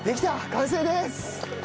完成です。